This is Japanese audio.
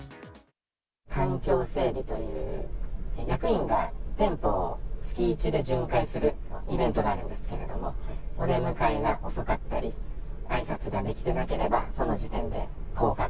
環境整備という役員が店舗を月一で巡回するイベントがあるんですけれども、お出迎えが遅かったり、あいさつができてなければ、その時点で降格。